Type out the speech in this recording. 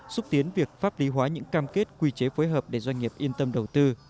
xúc tiến việc pháp lý hóa những cam kết quy chế phối hợp để doanh nghiệp yên tâm đầu tư